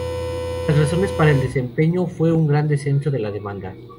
Las razones para el desempeño fue un gran descenso de la demanda.